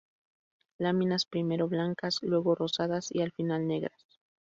Láminas primero blancas, luego rosadas y al final negras.